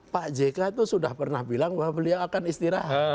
pak jk itu sudah pernah bilang bahwa beliau akan istirahat